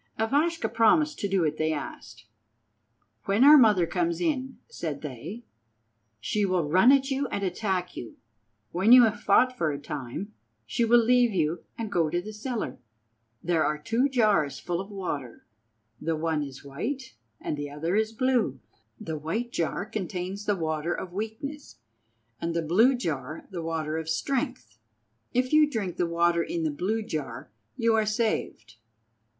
Ivashka promised to do what they asked. "When our mother comes in," said they, "she will run at you and attack you. When you have fought for a time she will leave you and go to the cellar. There are two jars full of water: the one is white and the other is blue. The white jar contains the water of weakness, and the blue jar the water of strength. If you drink the water in the blue jar you are saved."